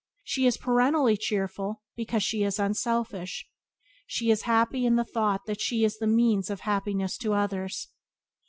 She is perennially cheerful because she is unselfish. She is happy in the thought that she is the means of happiness to others.